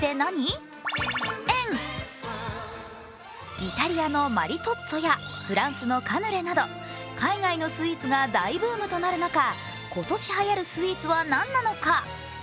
イタリアのマリトッツォやフランスのカヌレなど海外のスイーツが大ブームとなる中、今年はやるスイーツは何なのか？